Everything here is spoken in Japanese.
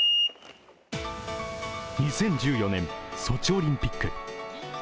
２０１４年、ソチオリンピック。